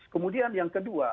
kemudian yang kedua